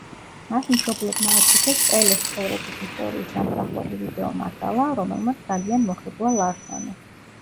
მას მშობლებმა აჩუქეს პელეს ცხოვრების ისტორიის ამსახველი ვიდეომასალა, რომელმაც ძალიან მოხიბლა ლარსონი.